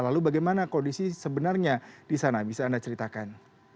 lalu bagaimana kondisi sebenarnya di sana bisa anda ceritakan